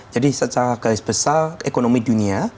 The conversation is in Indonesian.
jadi secara garis besar ekonomi dunia